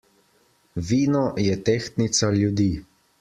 Vino je tehtnica ljudi.